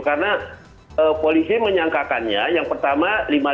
karena polisi menyangkakannya yang pertama lima puluh lima